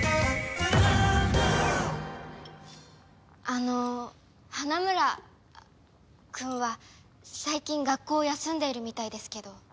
あの花村くんは最近学校を休んでいるみたいですけど。